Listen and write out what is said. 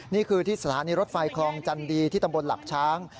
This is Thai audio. นี่คือที่สถานีรถไฟคลองจันดีที่ตำบลหลักช้าง